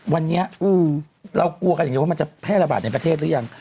วันนี้เรากลัวกันอย่างเดียวว่ามันจะแพร่ระบาดในประเทศหรือยัง